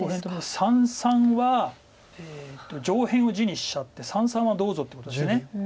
三々は上辺を地にしちゃって三々はどうぞってことです。